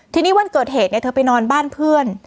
ทีนี้วันเกิดเหตุเธอไปนอนบ้านเพื่อน